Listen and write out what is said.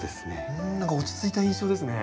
何か落ち着いた印象ですね。